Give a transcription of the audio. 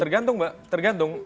tergantung mbak tergantung